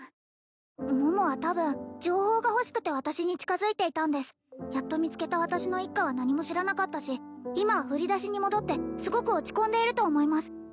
桃はたぶん情報が欲しくて私に近づいていたんですやっと見つけた私の一家は何も知らなかったし今は振り出しに戻ってすごく落ち込んでいると思います